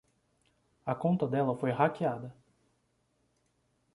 A conta dela foi hackeada.